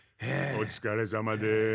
おつかれさまです。